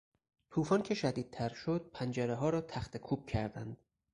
توفان که شدیدتر شد پنجرهها را تخته کوب کردند.